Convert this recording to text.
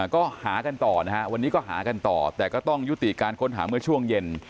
ก็หากันต่อนะฮะวันนี้ก็หากันต่อแต่ก็ต้องยุติการค้นหาเมื่อช่วงเย็น